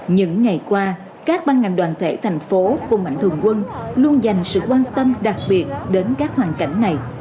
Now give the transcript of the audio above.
những ngày qua các ban ngành đoàn thể thành phố cùng mạnh thường quân luôn dành sự quan tâm đặc biệt đến các hoàn cảnh này